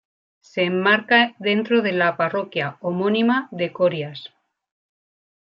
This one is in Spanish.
Se enmarca dentro de la parroquia homónima de Corias.